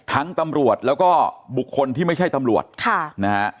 ทั้งตำรวจแล้วก็บุคคลที่ไม่ใช่ตำรวจค่ะ